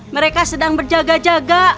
mereka sedang berjaga jaga